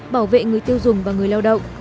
bảo vệ người tiêu dùng và người lao động